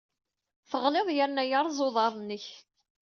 Teɣliḍ yerna yerreẓ uḍar-nnek.